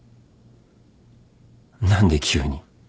何で急に。